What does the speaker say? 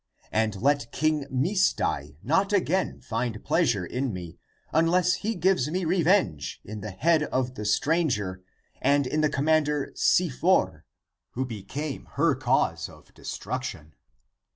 And let King Misdai not (again) find pleasure in me unless he gives me revenge in the head of the stranger and in the commander Si for, who became her cause of destruction.